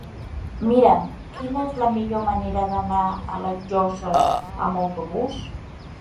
Mira'm quina és la millor manera d'anar a les Llosses amb autobús.